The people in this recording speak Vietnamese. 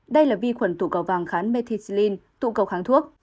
đây là vi khuẩn tụ cầu vàng khán methicillin tụ cầu kháng thuốc